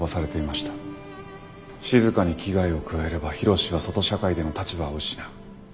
しずかに危害を加えれば緋炉詩は外社会での立場を失う。